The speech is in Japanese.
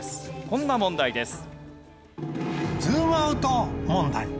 こんな問題です。